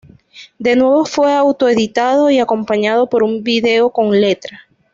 De nuevo fue autoeditado y acompañado por un video con letra.